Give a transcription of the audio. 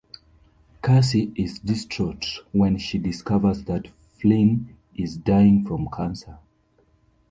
Cassie is distraught when she discovers that Flynn is dying from cancer.